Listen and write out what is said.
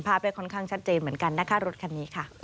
ได้ค่อนข้างชัดเจนเหมือนกันนะคะรถคันนี้ค่ะ